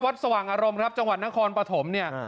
สว่างอารมณ์ครับจังหวัดนครปฐมเนี่ย